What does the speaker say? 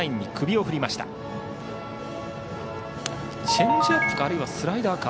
チェンジアップかあるいはスライダーか。